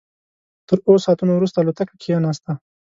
تر اوو ساعتونو وروسته الوتکه کېناسته.